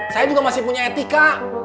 saya juga masih punya etika